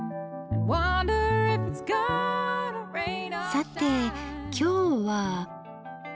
さて今日は？